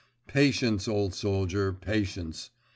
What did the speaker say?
Patience, old soldier, patience.